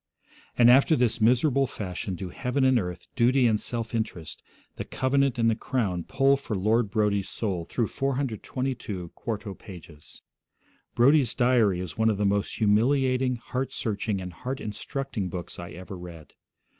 And after this miserable fashion do heaven and earth, duty and self interest, the covenant and the crown pull for Lord Brodie's soul through 422 quarto pages. Brodie's diary is one of the most humiliating, heart searching, and heart instructing books I ever read.